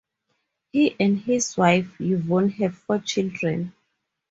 He and his wife, Yvonne, have four children.